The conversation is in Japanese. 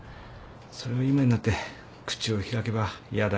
それを今になって口を開けば嫌だ